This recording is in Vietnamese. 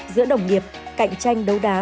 giữa đồng nghiệp cạnh tranh đấu đá